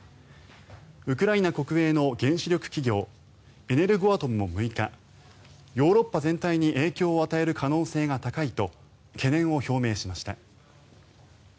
ウクライナ国営の原子力企業エネルゴアトムも６日ヨーロッパ全体に影響を与える可能性が高いと懸念を表明しました。